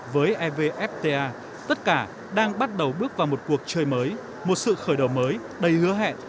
với evfta tất cả đang bắt đầu bước vào một cuộc chơi mới một sự khởi đầu mới đầy hứa hẹn